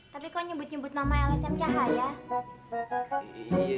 tapi kok nyebut nyebut nama lsm cahaya